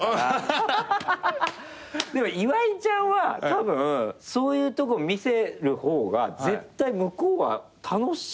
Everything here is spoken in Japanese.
でも岩井ちゃんはたぶんそういうとこ見せる方が絶対向こうは楽しいんじゃないの？